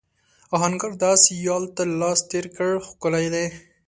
آهنګر د آس یال ته لاس تېر کړ ښکلی دی.